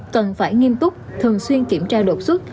cần phải nghiêm túc thường xuyên kiểm tra đột xuất